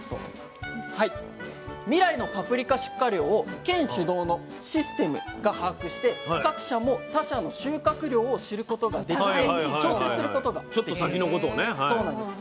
未来のパプリカ出荷量を県主導のシステムが把握して各社も他社の収穫量を知ることができて調整することができるんです。